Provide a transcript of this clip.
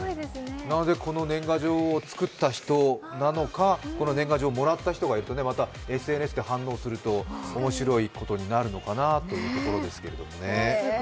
この年賀状を作った人なのか、この年賀状をもらった人がまたＳＮＳで反応すると面白いことになるのかなというところですけれどもね。